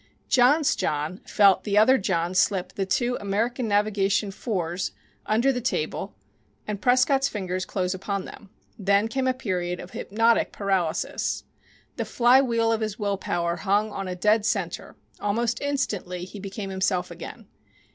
John's John felt the other John slip the two American Navigation 4s under the table and Prescott's fingers close upon them. Then came a period of hypnotic paralysis. The flywheel of his will power hung on a dead centre. Almost instantly he became himself again.